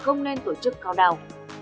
không nên tổ chức cao đao